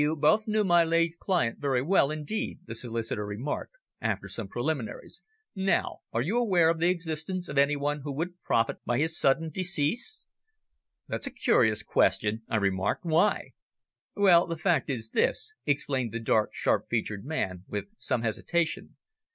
"You both knew my late client very well, indeed," the solicitor remarked, after some preliminaries. "Now, are you aware of the existence of any one who would profit by his sudden decease?" "That's a curious question," I remarked. "Why?" "Well, the fact is this," explained the dark, sharp featured man, with some hesitation.